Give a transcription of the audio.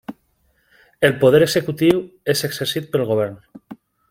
El poder executiu és exercit pel govern.